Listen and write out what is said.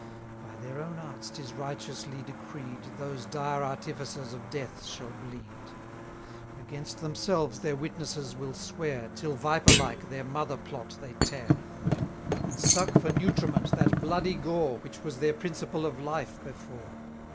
By their own arts 'tis righteously decreed, 1010 Those dire artificers of death shall bleed. Against themselves their witnesses will swear, Till, viper like, their mother plot they tear; And suck for nutriment that bloody gore, Which was their principle of life before.